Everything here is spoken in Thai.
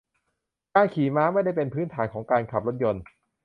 การขี่ม้าไม่ได้เป็นพื้นฐานของการขับรถยนต์